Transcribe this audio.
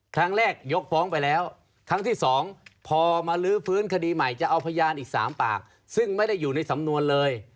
ยกฟ้องไปแล้วครั้งที่๒พอมาลื้อฟื้นคดีใหม่จะเอาพยานอีก๓ปากซึ่งไม่ได้อยู่ในสำนวนเลย